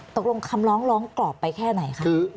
ตกลงคำร้องร้องกรอบไปแค่ไหนคะ